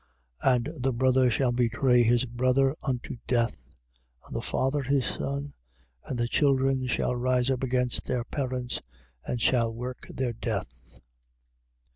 13:12. And the brother shall betray his brother unto death, and the father his son; and children shall rise up against their parents and shall work their death.